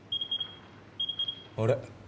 あれ？